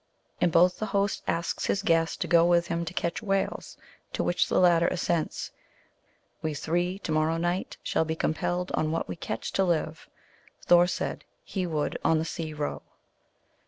In both the host asks his guest to go with him to catch whales, to which the latter assents. " We three to morrow night Shall be compelled On what we catch to live. Thor said he would On the sea row."